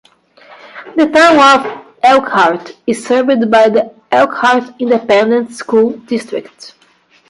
The Town of Elkhart is served by the Elkhart Independent School District.